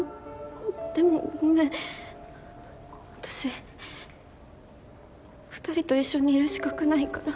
でもごめん私２人と一緒にいる資格ないから。